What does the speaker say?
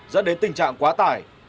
dẫn đến tình trạng quá tải